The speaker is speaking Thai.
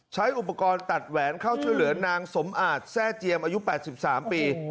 ใช้อุปกรณ์ตัดแหวนเข้าช่วยเหลือนางสมอาจแทร่เจียมอายุ๘๓ปี